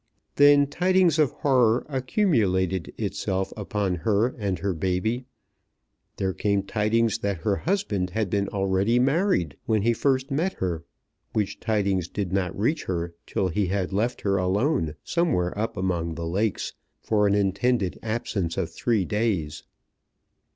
Then tidings of horror accumulated itself upon her and her baby. Then came tidings that her husband had been already married when he first met her, which tidings did not reach her till he had left her alone, somewhere up among the Lakes, for an intended absence of three days.